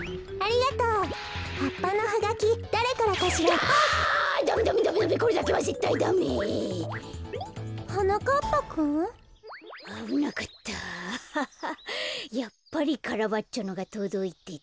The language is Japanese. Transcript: やっぱりカラバッチョのがとどいてた。